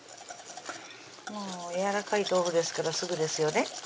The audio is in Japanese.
やわらかい豆腐ですからすぐですよね